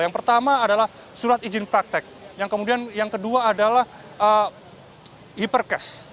yang pertama adalah surat izin praktek yang kemudian yang kedua adalah hiperkes